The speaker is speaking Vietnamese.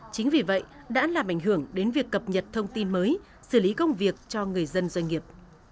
chính vì vậy đã làm ảnh hưởng đến việc cập nhật thông tin mới xử lý công việc cho người dân doanh nghiệp